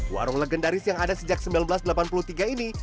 warung legendaris yang ada sejak seribu sembilan ratus delapan puluh tiga ini